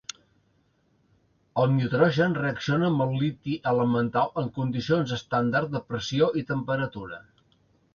El nitrogen reacciona amb el liti elemental en condicions estàndard de pressió i temperatura.